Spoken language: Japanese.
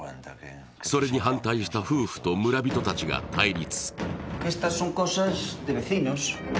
それに反対した夫婦と村人たちが対立。